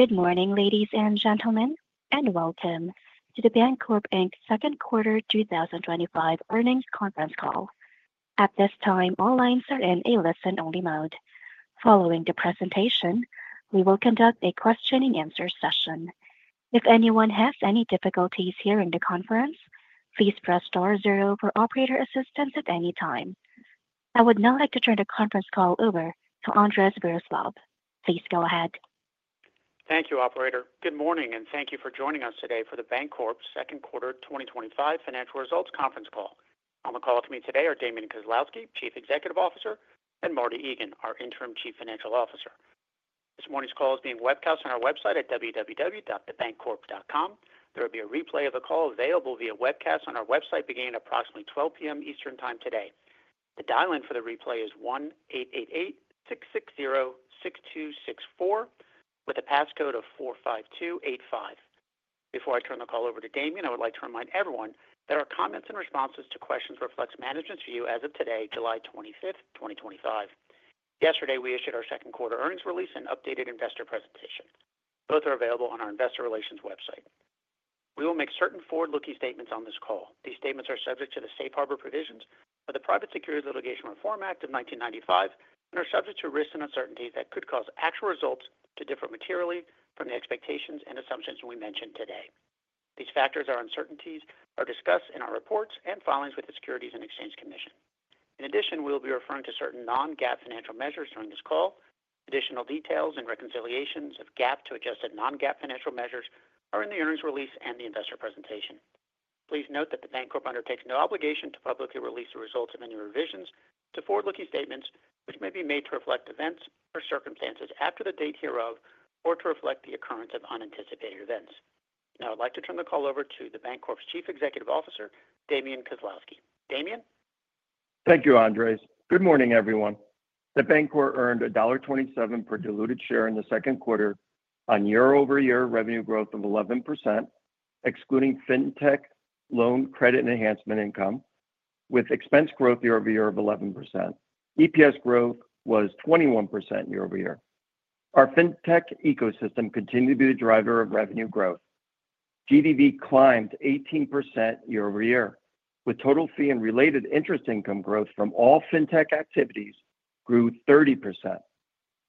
Good morning ladies and gentlemen and welcome to The Bancorp, Inc. Second Quarter 2025 Earnings Conference Call. At this time all lines are in a listen only mode. Following the presentation we will conduct a question and answer session. If anyone has any difficulties hearing the conference, please press star zero for operator assistance at any time. I would now like to turn the conference call over to Andres Viroslav. Please go ahead. Thank you, operator. Good morning and thank you for joining us today for The Bancorp Second Quarter 2025 Financial Results Conference Call. On the call with me today are Damian Kozlowski, Chief Executive Officer, and Marty Egan, our Interim Chief Financial Officer. This morning's call is being webcast on our website at www.thebancorp.com. There will be a replay of the call available via webcast on our website beginning at approximately 12:00 P.M. Eastern Time today. The dial-in for the replay is 1-888-660-6264 with a passcode of 45285. Before I turn the call over to Damian, I would like to remind everyone that our comments and responses to questions reflect management's view as of today, July 25th, 2025. Yesterday we issued our second quarter earnings release and updated investor presentation. Both are available on our investor relations website. We will make certain forward-looking statements on this call. These statements are subject to the safe harbor provisions of the Private Securities Litigation Reform Act of 1995 and are subject to risks and uncertainties that could cause actual results to differ materially from the expectations and assumptions we mention today. These factors and uncertainties are discussed in our reports and filings with the Securities and Exchange Commission. In addition, we will be referring to certain non-GAAP financial measures during this call. Additional details and reconciliations of GAAP to adjusted non-GAAP financial measures are in the earnings release and the investor presentation. Please note that The Bancorp undertakes no obligation to publicly release the results of any revisions to forward-looking statements which may be made to reflect events or circumstances after the date hereof or to reflect the occurrence of unanticipated events. Now I'd like to turn the call over to The Bancorp's Chief Executive Officer, Damian Kozlowski. Damian, thank you Andres. Good morning everyone. The Bancorp earned $1.27 per diluted share in the second quarter on year-over-year revenue growth of 11% excluding fintech loan credit enhancement income, with expense growth year-over-year of 11%. EPS growth was 21% year-over-year. Our fintech ecosystem continued to be the driver of revenue growth. GDV climbed 18% year-over-year with total fee and related interest. Income growth from all fintech activities grew 30%.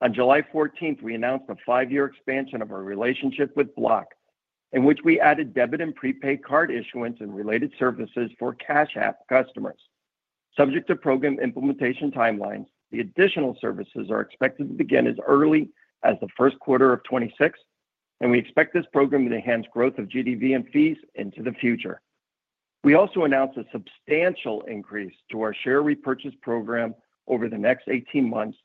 On July 14th, we announced a five-year expansion of our relationship with Block in which we added debit and prepaid card issuance and related services for Cash App customers, subject to program implementation timelines. The additional services are expected to begin as early as first quarter of 2026, and we expect this program to enhance growth of GDV and fees into the future. We also announced a substantial increase to our share repurchase program over the next 18 months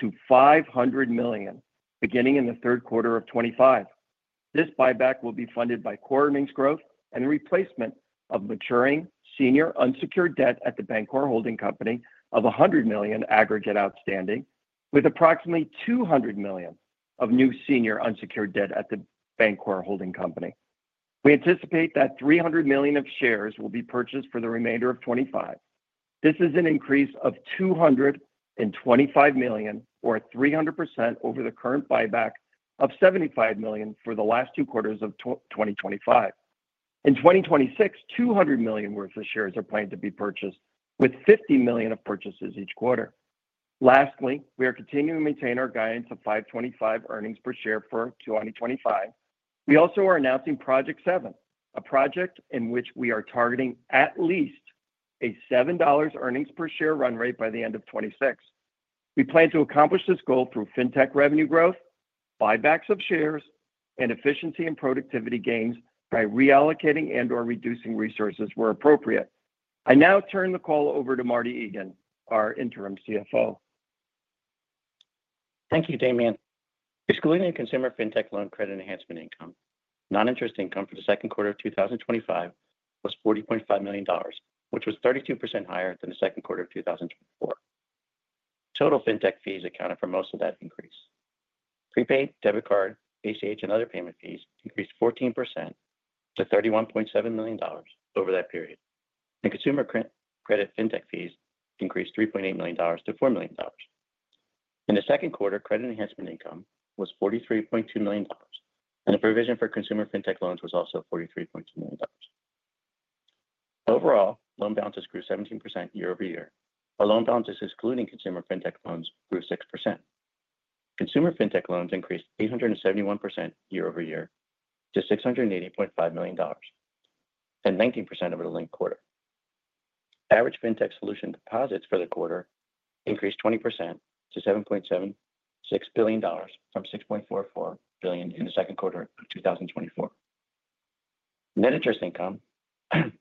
to $500 million beginning in third quarter of 2025. This buyback will be funded by core earnings growth and the replacement of maturing senior unsecured debt at The Bancorp Holding Company of $100 million aggregate outstanding with approximately $200 million of new senior unsecured debt at The Bancorp Holding Company. We anticipate that $300 million of shares will be purchased for the remainder of 2025. This is an increase of $225 million or 300% over the current buyback of $75 million for the last two quarters of 2025. In 2026, $200 million worth of shares are planned to be purchased with $50 million of purchases each quarter. Lastly, we are continuing to maintain our guidance of $5.25 earnings per share for 2025. We also are announcing Project 7, a project in which we are targeting at least a $7 earnings per share run rate by the end of 2026. We plan to accomplish this goal through fintech revenue growth, buybacks of shares, and efficiency and productivity gains by reallocating and or reducing resources where appropriate. I now turn the call over to Marty Egan, our Interim CFO. Thank you, Damian. Excluding the consumer fintech loan credit enhancement income, non-interest income for the second quarter of 2025 was $40.5 million, which was 32% higher than the second quarter of 2024. Total fintech fees accounted for most of that increase. Prepaid debit card, ACH, and other payment fees increased 14% to $31.7 million over that period, and consumer credit fintech fees increased $3.8 million to $4 million in the second quarter. Credit enhancement income was $43.2 million, and the provision for consumer fintech loans was also $43.2 million. Overall, loan balances grew 17% year-over-year, while loan balances excluding consumer fintech loans grew 6%. Consumer fintech loans increased 871% year-over-year to $680.5 million and 19% over the linked quarter. Average FinTech Solutions deposits for the quarter increased 20% to $7.76 billion from $6.44 billion in the second quarter of 2024. Net interest income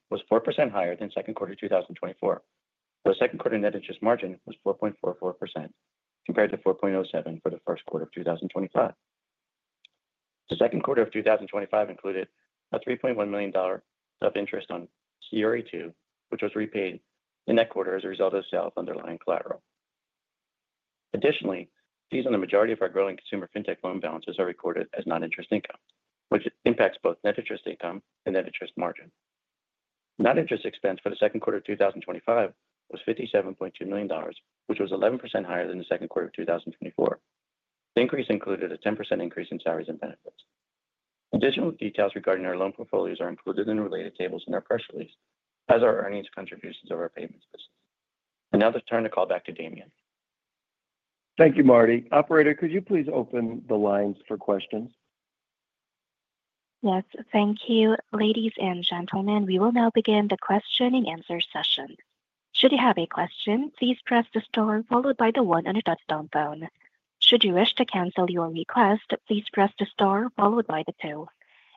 was 4% higher than the second quarter of 2024. The second quarter net interest margin was 4.44% compared to 4.07% for the first quarter of 2025. The second quarter of 2025 included $3.1 million of interest on CRE-2, which was repaid in that quarter as a result of the sale of underlying collateral. Additionally, fees on the majority of our growing consumer fintech loan balances are recorded as non-interest income, which impacts both net interest income and net interest margin. Non-interest expense for the second quarter of 2025 was $57.2 million, which was 11% higher than the second quarter of 2024. The increase included a 10% increase in salaries and benefits. Additional details regarding our loan portfolios are included in the related tables in our press release, as are earnings contributions of our payments business. Now let's turn the call back to Damian. Thank you, Marty. Operator, could you please open the lines for questions? Yes, thank you. Ladies and gentlemen, we will now begin the question and answer session. Should you have a question, please press the star followed by the one on a touch-tone phone. Should you wish to cancel your request, please press the star followed by the two.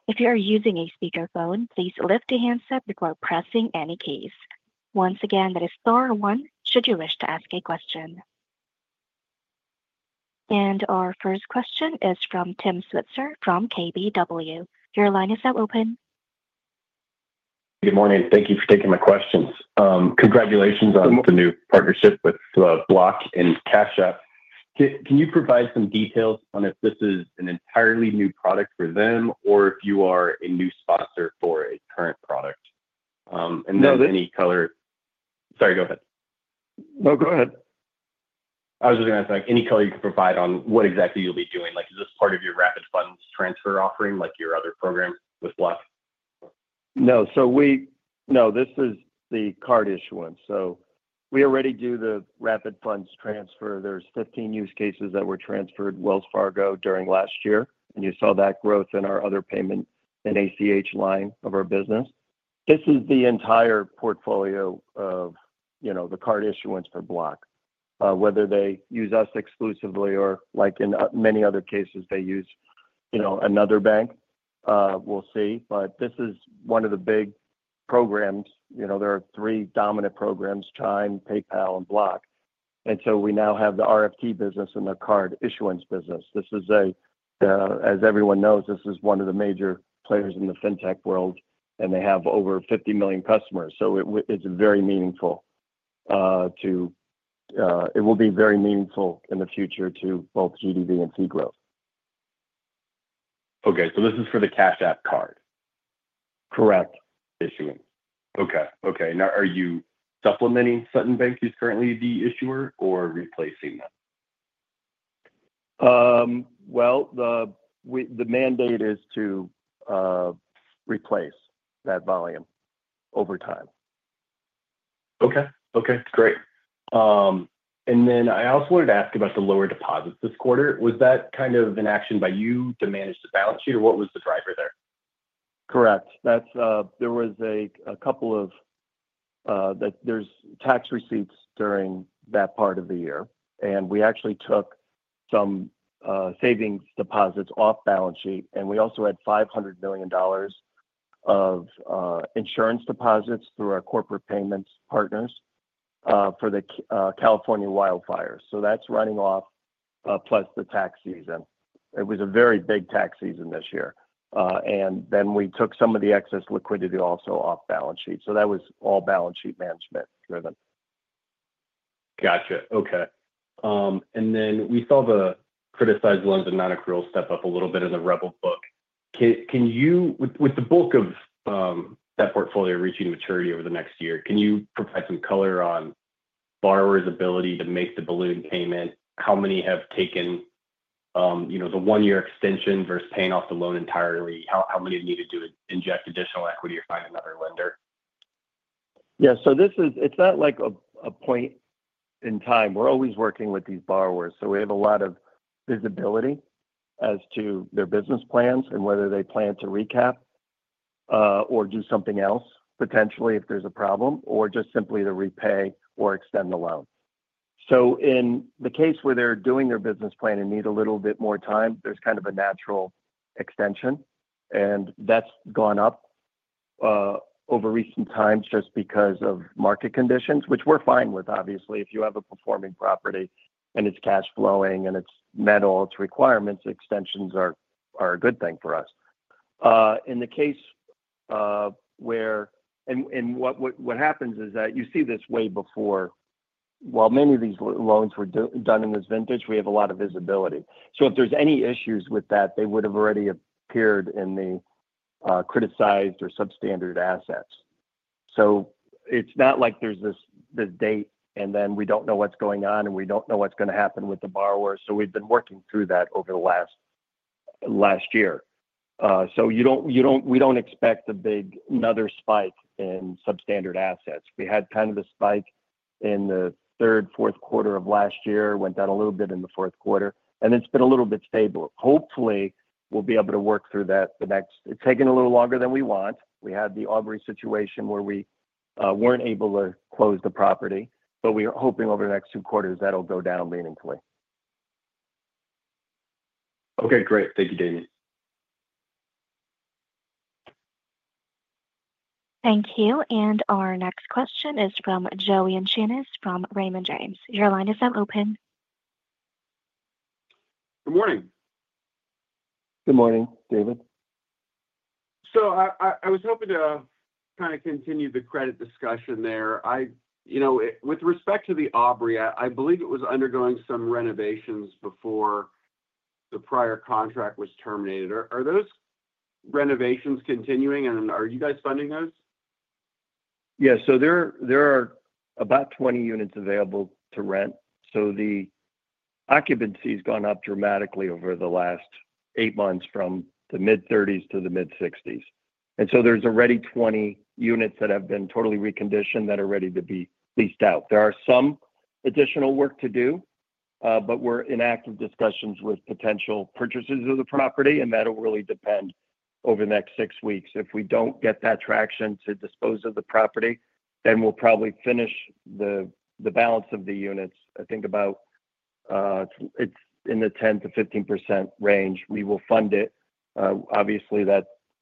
If you are using a speakerphone, please lift the handset before pressing any keys. Once again, that is star one should you wish to ask a question. Our first question is from Tim Switzer from KBW. Your line is now open. Good morning. Thank you for taking my questions. Congratulations on the new partnership with Block, IncCash App. Can you provide some details on if this is an entirely new product for them or if you are a new sponsor for a current product and any color. Sorry, go ahead. No, go ahead. I was just going to ask any color you can provide on what exactly you'll be doing. Like, is this part of your rapid funds transfer offering like your other program with Block? No. We know this is the card issuance. We already do the rapid funds transfer. There are 15 use cases that were transferred to Wells Fargo during last year. You saw that growth in our other payment and ACH line of our business. This is the entire portfolio of the card issuance for Block. Whether they use us exclusively or like in many other cases, they use another bank, we'll see. This is one of the big programs. There are three dominant programs, Chime, PayPal, and Block. We now have the RFT business and the card issuance business. This is, as everyone knows, one of the major players in the fintech world and they have over 50 million customers. It will be very meaningful in the future to both GDV and fee growth. Okay, so this is for the Cash App card, correct. Issuance. Okay. Okay. Are you supplementing Sutton Bank, who's currently the issuer, or replacing them? The mandate is to replace that volume over time. Okay, great. I also wanted to ask about the lower deposits this quarter. Was that kind of an action by you to manage the balance sheet or what was the driver there? Correct, that's. There was a couple of, there's tax receipts during that part of the year and we actually took some savings deposits off balance sheet and we also had $500 million of insurance deposits through our corporate payments partners for the California wildfires. That's running off. Plus the tax season. It was a very big tax season this year. We took some of the excess liquidity also off balance sheet. That was all balance sheet management driven. Gotcha. We saw the criticized loans and non-accrual step up a little bit in the Rebel loan portfolio. With the bulk of that portfolio reaching maturity over the next year, can you provide some color on borrowers' ability to make the balloon payment? How many have taken the one-year extension versus paying off the loan entirely? How many need to inject additional equity or find another lender? This is, it's not like a point in time. We're always working with these borrowers. We have a lot of visibility as to their business plans and whether they plan to recap or do something else. Potentially if there's a problem or just simply to repay or extend the loan. In the case where they're doing their business plan and need a little bit more time, there's kind of a natural extension and that's gone up over recent times just because of market conditions, which we're fine with. Obviously if you have a performing property and it's cash flowing and it's met all its requirements, extensions are a good thing for us. What happens is that you see this way before, while many of these loans were done in this vintage, we have a lot of visibility. If there's any issues with that, they would have already appeared in the criticized or substandard assets. It's not like there's this date and then we don't know what's going on and we don't know what's going to happen with the borrower. We've been working through that over the last year. We don't expect a big, another spike in substandard assets. We had kind of a spike in the third, fourth quarter of last year. Went down a little bit in the fourth quarter, and it's been a little bit stable. Hopefully we'll be able to work through that next. It's taking a little longer than we want. We had the Aubrey situation where we weren't able to close the property, but we are hoping over the next two quarters that will go down meaningfully. Okay, great. Thank you, Damian. Thank you. Our next question is from Joe Yanchunis from Raymond James. Your line is now open. Good morning. Good morning, David. I was hoping to kind of continue the credit discussion there. With respect to the Aubrey, I believe it was undergoing some renovations before the prior contract was terminated. Are those renovations continuing and are you guys funding those? Yes. There are about 20 units available to rent. The occupancy has gone up dramatically over the last eight months from the mid-30s to the mid-60s. There are already 20 units that have been totally reconditioned that are ready to be leased out. There is some additional work to do, but we're in active discussions with potential purchasers of the property and that'll really depend over the next six weeks. If we don't get that traction to dispose of the property, we'll probably finish the balance of the units. I think it's in the 10%-15% range. We will fund it. Obviously,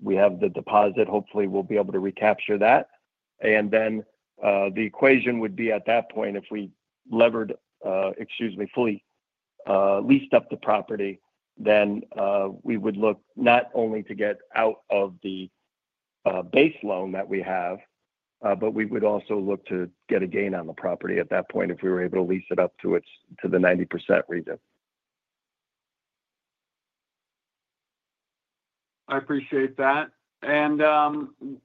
we have the deposit. Hopefully, we'll be able to recapture that. The equation would be at that point, if we fully leased up the property, we would look not only to get out of the base loan that we have, but we would also look to get a gain on the property at that point if we were able to lease it up to the 90% range. I appreciate that. One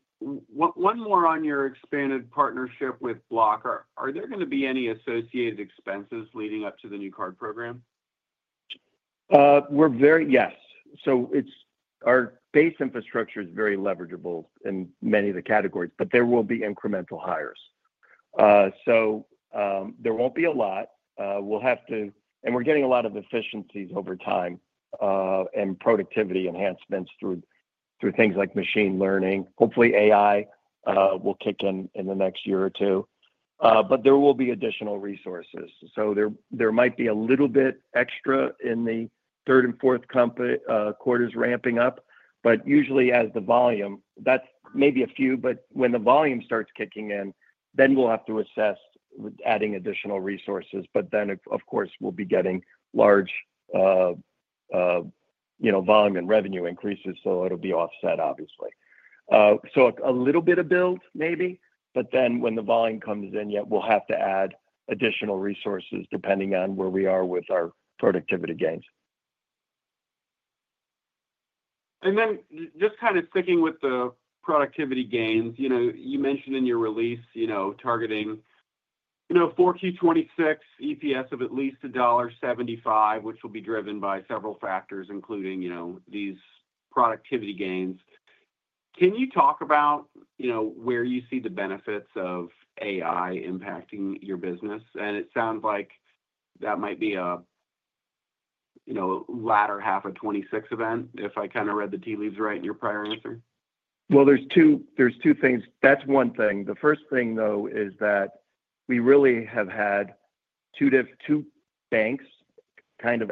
more on your expanded partnership with Block, are there going to be any associated expenses leading up to the new card program? Yes. Our base infrastructure is very leverageable in many of the categories, but there will be incremental hires, so there won't be a lot. We're getting a lot of efficiencies over time and productivity enhancements through things like machine learning. Hopefully, AI will kick in in the next year or two, but there will be additional resources. There might be a little bit extra in the third and fourth quarters ramping up, but usually as the volume, that's maybe a few, but when the volume starts kicking in, we'll have to assess adding additional resources. Of course, we'll be getting large volume and revenue increases, so it'll be offset obviously. A little bit of build maybe, but when the volume comes in, we'll have to add additional resources depending on where we are with our productivity gains. Just kind of sticking with the productivity gains, you mentioned in your release targeting 4Q 2026 EPS of at least $1.75, which will be driven by several factors including these productivity gains. Can you talk about where you see the benefits of AI impacting your business? It sounds like that might be. Latter half of 2026 event. If I kind of read the tea leaves right in your prior answer, there are two things. That's one thing. The first thing though is that we really have had two different banks kind of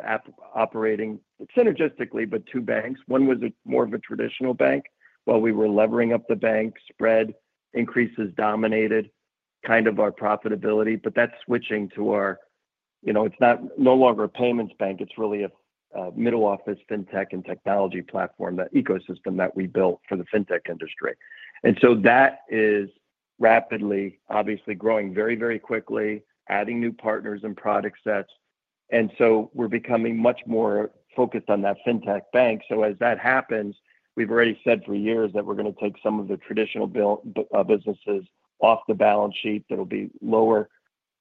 operating synergistically, but two banks. One was more of a traditional bank. While we were levering up the bank, spread increases dominated kind of our profitability. That's switching to our, you know, it's not no longer a payments bank, it's really a middle office fintech and technology platform, that ecosystem that we built for the fintech industry. That is rapidly, obviously growing very, very quickly, adding new partners and product sets. We're becoming much more focused on that fintech bank. As that happens, we've already said for years that we're going to take some of the traditional businesses off the balance sheet. That'll be lower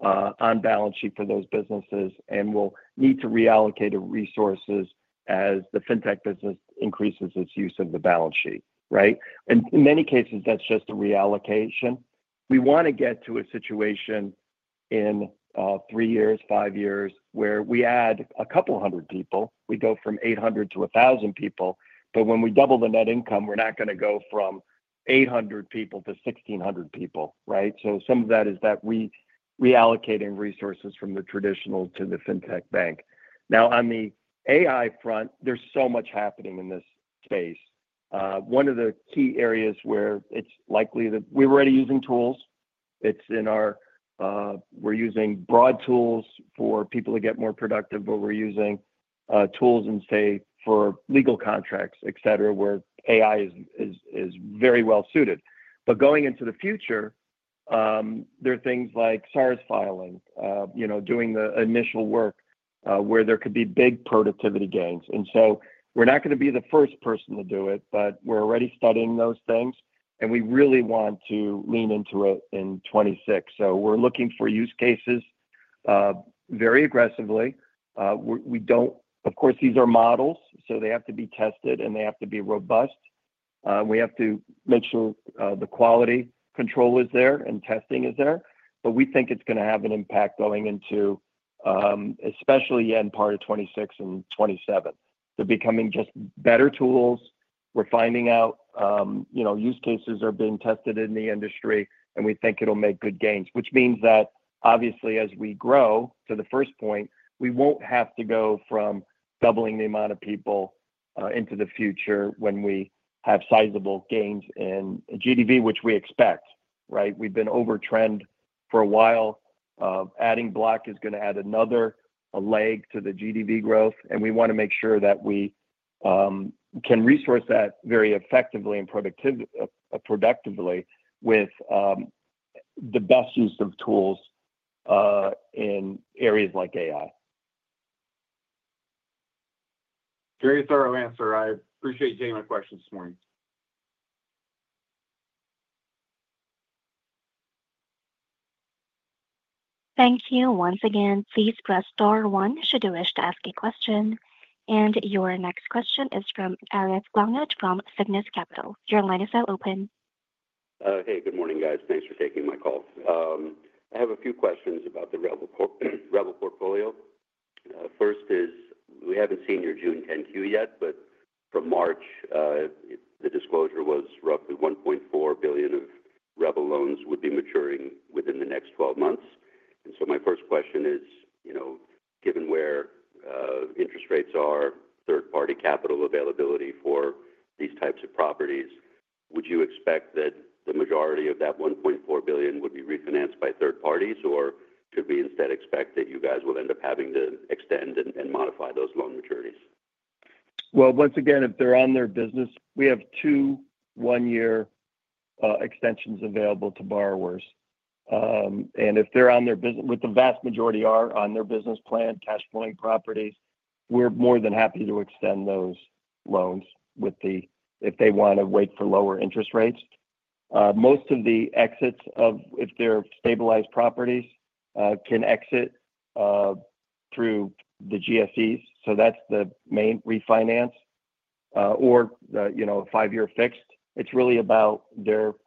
on balance sheet for those businesses, and we'll need to reallocate resources as the fintech business increases its use of the balance sheet. In many cases that's just a reallocation. We want to get to a situation in three years, five years where we add a couple hundred people, we go from 800 to 1,000 people, but when we double the net income, we're not going to go from 800 people to 1,600 people. Some of that is that we are reallocating resources from the traditional to the fintech bank. Now on the AI front, there's so much happening in this space. One of the key areas where it's likely that we're already using tools, we're using broad tools for people to get more productive, but we're using tools in, say, for legal contracts, et cetera, where AI is very well suited. Going into the future, there are things like SARS filing, doing the initial work where there could be big productivity gains. We're not going to be the first person to do it, but we're already studying those things and we really want to lean into it in 2026. We're looking for use cases very aggressively. Of course, these are models so they have to be tested and they have to be robust. We have to make sure the quality control is there and testing is there. We think it's going to have an impact going into especially in part of 2026 and 2027, they're becoming just better tools. We're finding out, you know, use cases are being tested in the industry and we think it'll make good gains. Which means that obviously as we grow to the first point, we won't have to go from doubling the amount of people into the future when we have sizable gains in GDV, which we expect. We've been over trend for a while. Adding Block is going to add another leg to the GDV growth. We want to make sure that we can resource that very effectively and productively with the best use of tools in areas like AI. Very thorough answer. I appreciate you taking my questions this morning. Thank you. Once again, please press star one should you wish to ask a question. Your next question is from Ariath Glaunut from Sygnus Capital. Your line is now open. Hey, good morning guys. Thanks for taking my call. I have a few questions about the Rebel loan portfolio. First is we haven't seen your June 10-Q yet, but from March the disclosure was roughly $1.4 billion of Rebel loans would be maturing within the next 12 months. My first question is, you know, given where interest rates are, third party capital availability for these types of properties, would you expect that the majority of that $1.4 billion would be refinanced by third parties or could we instead expect that you guys will end up having to extend and modify those loan maturities? If they're on their business, we have two one-year extensions available to borrowers. If they're on their business, with the vast majority on their business plan, cash flowing properties, we're more than happy to extend those loans if they want to wait for lower interest rates. Most of the exits, if they're stabilized properties, can exit through the GSEs. That's the main refinance or five-year fixed. It's really about their planning.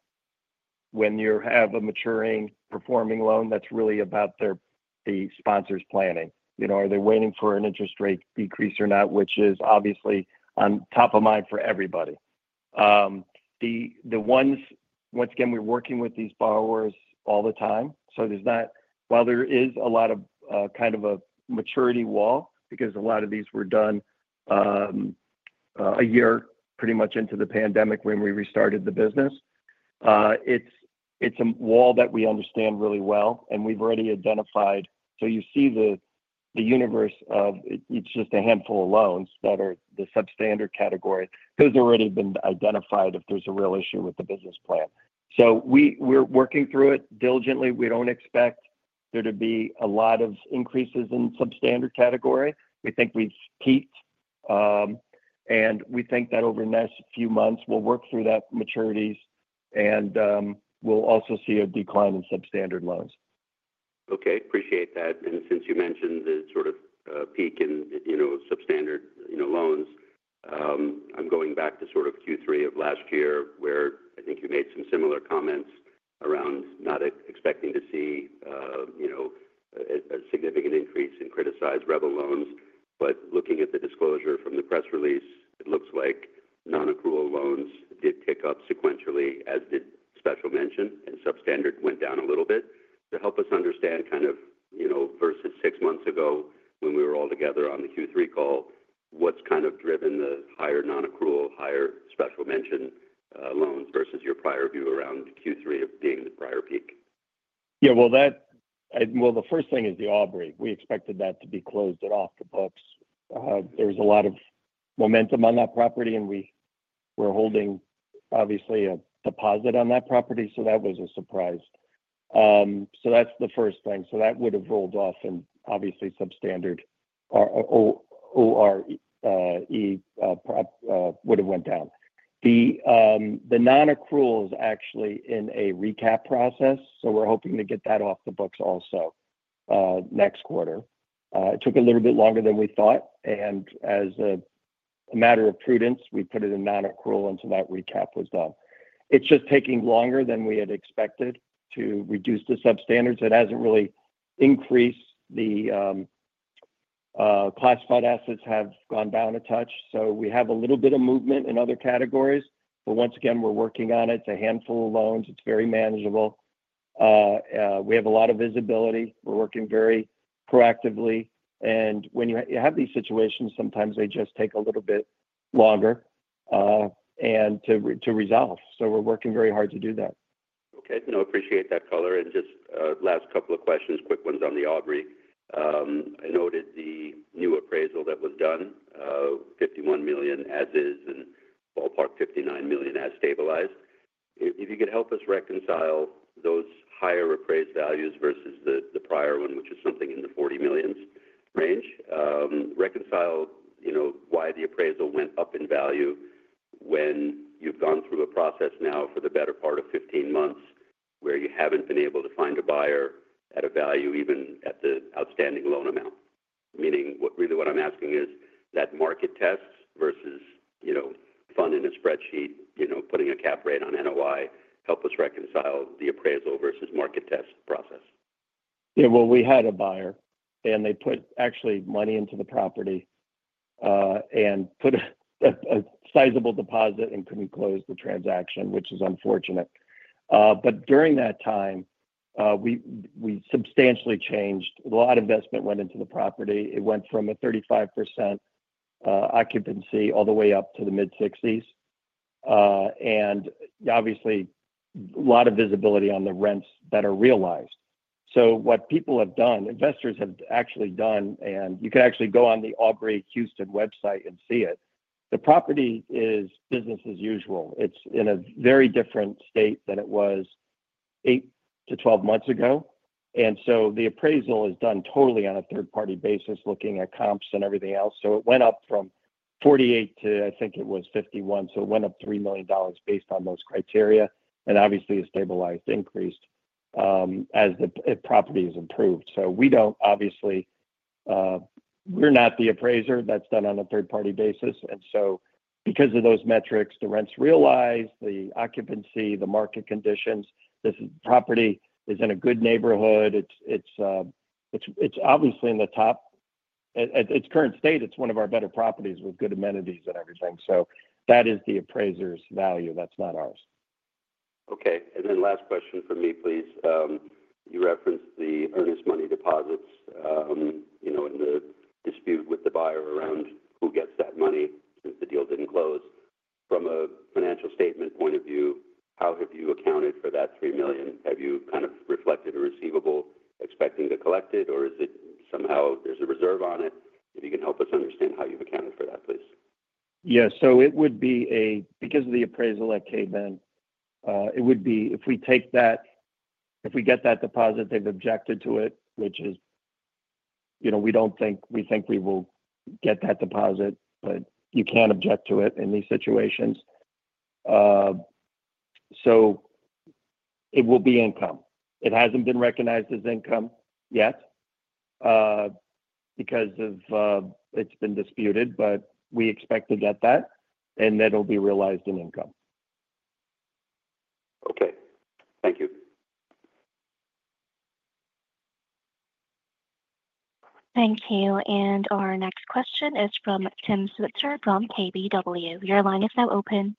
When you have a maturing performing loan, that's really about the sponsor's planning, whether they're waiting for an interest rate decrease or not, which is obviously top of mind for everybody. Once again, we're working with these borrowers all the time. While there is a lot of a maturity wall because a lot of these were done a year into the pandemic when we restarted the business, it's a wall that we understand really well and we've already identified. You see the universe of just a handful of loans that are in the substandard category, which has already been identified if there's a real issue with the business plan. We're working through it diligently. We don't expect there to be a lot of increases in the substandard category. We think we've peaked and we think that over the next few months we'll work through those maturities and we'll also see a decline in substandard loans. Okay, appreciate that. Since you mentioned the sort of peak in substandard loans, I'm going back to Q3 of last year where I think you made some similar comments around not expecting to see a significant increase in criticized Rebel loans. Looking at the disclosure from the press release, it looks like non-accrual loans did pick up sequentially, as did special mention, and substandard went down a little bit. Help us understand, versus six months ago when we were all together on the Q3 call, what's driven the higher non-accrual, higher special mention loans versus your prior view around Q3 of being the prior peak? The first thing is the Aubrey, we expected that to be closed and off the books. There was a lot of momentum on that property and we were holding obviously a deposit on that property. That was a surprise. That would have rolled off and obviously substandard ORE would have gone down. The non accrual is actually in a recap process. We are hoping to get that off the books also next quarter. It took a little bit longer than we thought and as a matter of prudence, we put it in non accrual until that recap was done. It is just taking longer than we had expected to reduce the substandards. It has not really increased. The classified assets have gone down a touch. We have a little bit of movement in other categories. We are working on it. It is a handful of loans, it is very manageable. We have a lot of visibility. We are working very proactively. When you have these situations, sometimes they just take a little bit longer to resolve. We are working very hard to do that. Okay. No, appreciate that color and just last couple of questions, quick ones. On the Aubrey, I noted the new appraisal that was done, $51 million as is and ballpark $59 million as stabilized. If you could help us reconcile those higher appraised values versus the prior one, which is something in the $40 million range. Reconcile why the appraisal went up in value when you've gone through a process now for the better part of 15 months where you haven't been able to find a buyer at a value even at the outstanding loan amount. Meaning what I'm asking is that market tests versus, you know, funding a spreadsheet, you know, putting a cap rate on NOI, help us reconcile the appraisal versus market test process. Yeah, we had a buyer and they actually put money into the property and put a sizable deposit and couldn't close the transaction, which is unfortunate. During that time, we substantially changed. A lot of investment went into the property. It went from a 35% occupancy all the way up to the mid-60% and obviously a lot of visibility on the rents that are realized. What people have done, investors have actually done, and you can actually go on the Aubrey Houston website and see it. The property is business as usual. It's in a very different state than it was 8-12 months ago. The appraisal is done totally on a third-party basis looking at comps and everything else. It went up from $48 million to, I think it was $51 million. It went up $3 million based on those criteria and obviously a stabilized increase as the property has improved. We don't, obviously, we're not the appraiser. That's done on a third-party basis. Because of those metrics, the rents realized, the occupancy, the market conditions, this property is in a good neighborhood. It's obviously in the top at its current state. It's one of our better properties with good amenities and everything. That is the appraiser's value. That's not ours. Okay, last question for me, please. You referenced the earnest money deposits, you know, in the dispute with the buyer around who gets that money since the deal didn't close. From a financial statement point of view, how have you accounted for that $3 million? Have you kind of reflected a receivable, expecting to collect it, or is it somehow there's a reserve on it? If you can help us understand how you've accounted for that, please. Yes, it would be because of the appraisal at Aubrey. If we get that deposit, they've objected to it, which is, you know, we don't think. We think we will get that deposit, but you can't object to it in these situations. It will be income. It hasn't been recognized as income yet because it's been disputed, but we expect to get that, and that will be realized in income. Okay, thank you. Thank you. Our next question is from Tim Switzer from KBW. Your line is now open.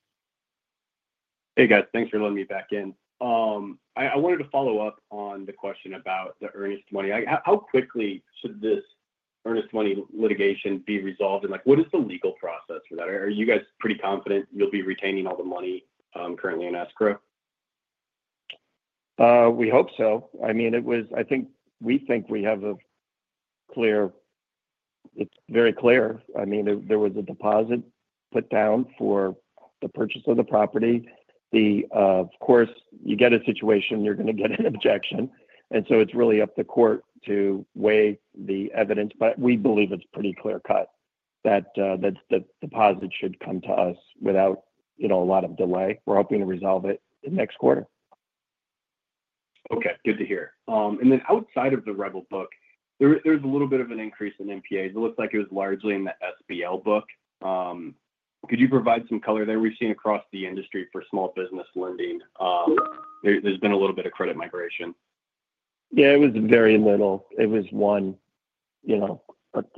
Hey, guys, thanks for letting me back in. I wanted to follow up on the question about the earnest money. How quickly should this earnest money litigation be resolved? What is the legal process for that? Are you guys pretty confident you'll be retaining all the money currently in escrow? We hope so. I mean, it was. I think. We think we have a clear. It's very clear. I mean, there was a deposit put down for the purchase of the property. Of course, you get a situation, you're going to get an objection. It is really up to the court to weigh the evidence, but we believe it's pretty clear cut that the deposit should come to us without a lot of delay. We're hoping to resolve it next quarter. Okay, good to hear. Outside of the Rebel loan portfolio, there's a little bit of an increase in NPAs. It looks like it was largely in the SBL book. Could you provide some color there? We've seen across the industry for small business lending, there's been a little bit of credit migration. Yeah, it was very little. It was one, you know,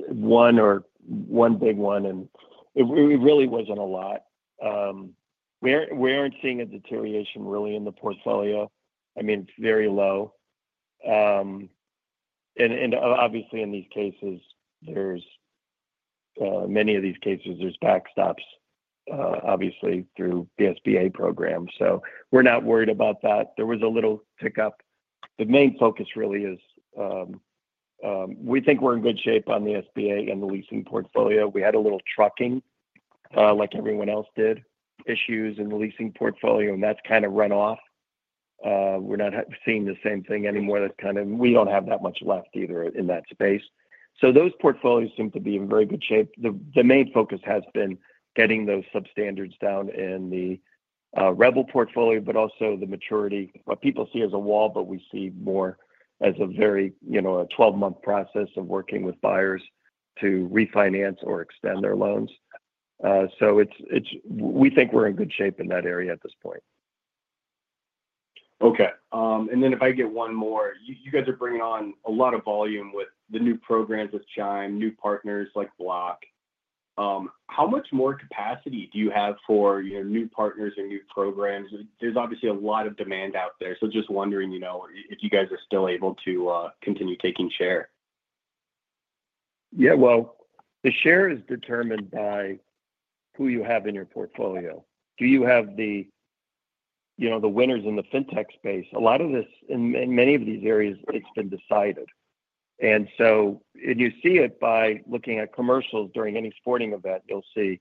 one or one big one, and it really wasn't a lot. We aren't seeing a deterioration, really, in the portfolio, I mean, very low. Obviously, in these cases, there's many of these cases, there's backstops, obviously through the SBA program. We're not worried about that. There was a little tick up. The main focus really is we think we're in good shape on the SBA and the leasing portfolio. We had a little trucking like everyone else did, issues in the leasing portfolio and that's kind of run off. We're not seeing the same thing anymore. We don't have that much left either in that space. Those portfolios seem to be in very good shape. The main focus has been getting those substandard down in the Rebel loan portfolio. Also, the maturity, what people see as a wall, but we see more as a very, you know, a 12 month process of working with buyers to refinance or extend their loans. We think we're in good shape in that area at this point. Okay, and then if I get one more. You guys are bringing on a lot of volume with the new programs with Chime, new partners like Block. How much more capacity do you have for your new partners or new programs? There's obviously a lot of demand out there. Just wondering if you guys are still able to continue taking share. Yeah, the share is determined by who you have in your portfolio. Do you have the winners in the fintech space? A lot of this in many of these areas has been decided. You see it by looking at commercials during any sporting event. You'll see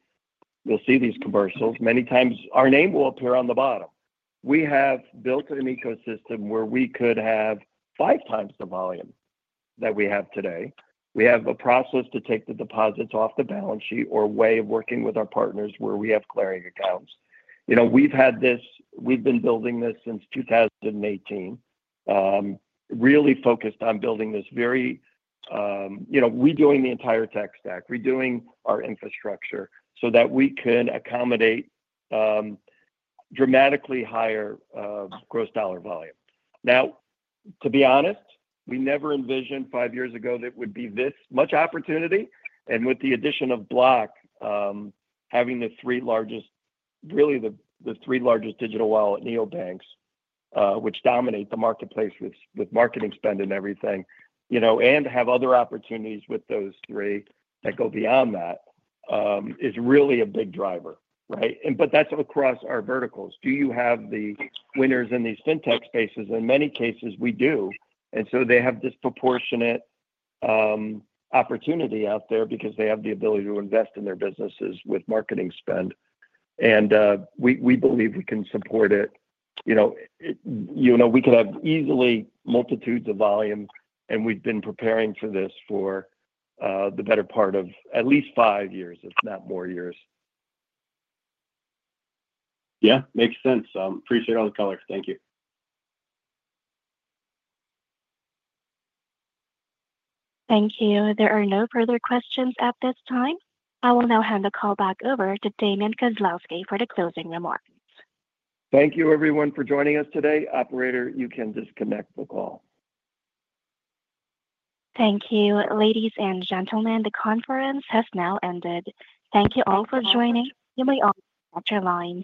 these commercials. Many times our name will appear on the bottom. We have built an ecosystem where we could have five times the volume that we have today. We have a process to take the deposits off the balance sheet, a way of working with our partners where we have clearing accounts. We've been building this since 2018, really focused on building this, redoing the entire tech stack, redoing our infrastructure so that we can accommodate dramatically higher gross dollar volume. To be honest, we never envisioned five years ago that there would be this much opportunity. With the addition of Block, having the three largest, really the three largest digital wallet neobanks, which dominate the marketplace with marketing spend and everything, and have other opportunities with those three that go beyond that, is really a big driver. That's across our verticals. Do you have the winners in these fintech spaces? In many cases we do. They have disproportionate opportunity out there because they have the ability to invest in their businesses with marketing spend, and we believe we can support it. We could have easily multitudes of volume, and we've been preparing for this for the better part of at least five years, if not more years. Yeah. Makes sense. Appreciate all the color. Thank you. Thank you. There are no further questions at this time. I will now hand the call back over to Damian Kozlowski for the closing remarks. Thank you, everyone, for joining us today. Operator, you can disconnect the call. Thank you. Ladies and gentlemen, the conference has now ended. Thank you all for joining. You may all disconnect your lines.